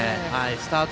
スタート